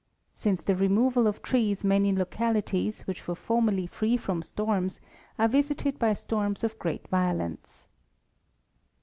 Since the re moval of trees many localities, which were formerly free from storms, are visited by storms of gre'at violence.